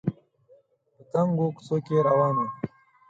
په تنګو کوڅو کې روان و